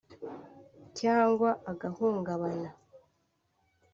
cyangwa agahungabana